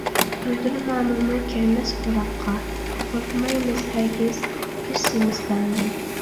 گۈلدۈرمامىمۇ كىرمەس قۇلاققا، قورقمايمىز ھەرگىز قىش - زىمىستاندىن.